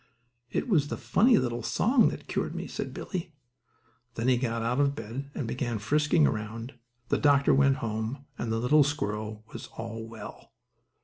"It was the funny little song that cured me," said Billie. Then he got out of bed and began frisking around; the doctor went home, and the little squirrel was all well.